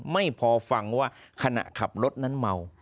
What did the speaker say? ไม่พอฟังว่าขณะขับรถนั้นเมา